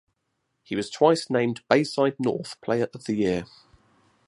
He was twice named Bayside North Player of the Year.